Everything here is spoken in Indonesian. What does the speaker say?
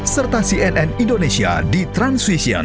serta cnn indonesia di transvision